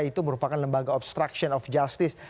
itu merupakan lembaga obstruction of justice